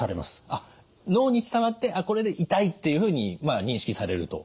あっ脳に伝わってこれで痛いっていうふうに認識されると。